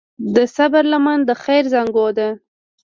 د صبر لمن د خیر زانګو ده.